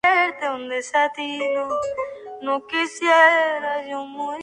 Fue un sitio ceremonial del preclásico.